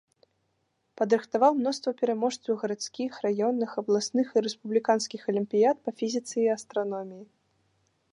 Падрыхтаваў мноства пераможцаў гарадскіх, раённых, абласных і рэспубліканскіх алімпіяд па фізіцы і астраноміі.